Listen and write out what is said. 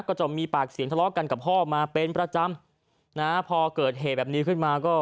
ก็มีปากเสียงทะเลาะกันกับพ่อมาเป็นประจำนะฮะพอเกิดเหตุแบบนี้ขึ้นมาก็